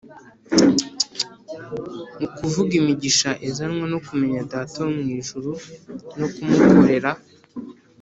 ukuvuga imigisha izanwa no kumenya Data wo mu ijuru no kumukorera